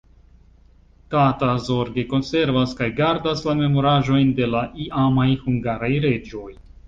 Tata zorge konservas kaj gardas la memoraĵojn de la iamaj hungaraj reĝoj.